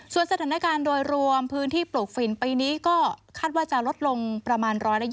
ส่วนสถานการณ์โดยรวมพื้นที่ปลูกฝิ่นปีนี้ก็คาดว่าจะลดลงประมาณ๑๒๐